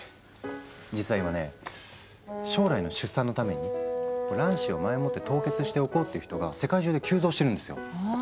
実は今ね将来の出産のために卵子を前もって凍結しておこうって人が世界中で急増してるんですよ。